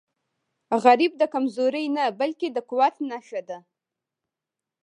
غریب د کمزورۍ نه، بلکې د قوت نښه ده